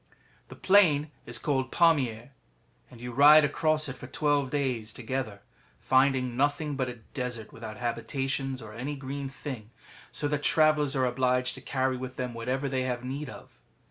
] The plain is called Pamier, and you ride across it for twelve days together, finding nothing but a desert without habitations or any green thing, so that travellers are obliged to carry with them whatever they have need of.